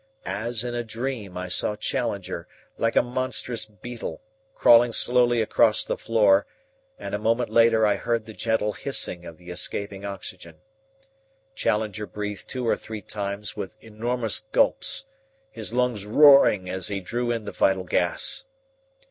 As in a dream I saw Challenger, like a monstrous beetle, crawling slowly across the floor, and a moment later I heard the gentle hissing of the escaping oxygen. Challenger breathed two or three times with enormous gulps, his lungs roaring as he drew in the vital gas.